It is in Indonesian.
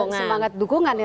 semangat dukungan ya